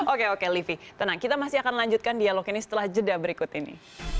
oke oke livi tenang kita masih akan lanjutkan dialog ini setelah jeda berikut ini